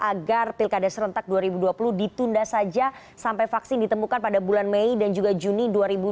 agar pilkada serentak dua ribu dua puluh ditunda saja sampai vaksin ditemukan pada bulan mei dan juga juni dua ribu dua puluh